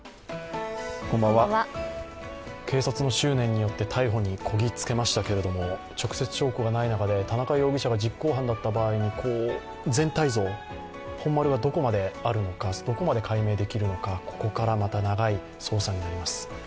警察の執念によって逮捕にこぎ着けましたけれども、直接証拠がない中で田中容疑者が実行犯だった場合の全体像、本丸がどこまであるのか、どこまで解明できるのか、ここからまた長い捜査になります。